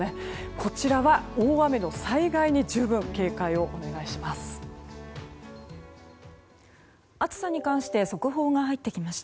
こちらは大雨の災害に十分警戒をお願いします。